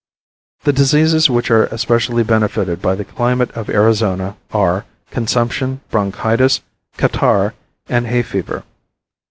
The diseases which are especially benefited by the climate of Arizona are consumption, bronchitis, catarrh and hay fever.